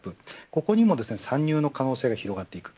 ここにも参入の可能性が広がっていく。